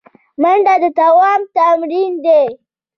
منډه د دوام تمرین دی